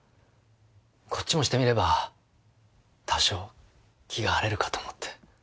こっちもしてみれば多少気が晴れるかと思って。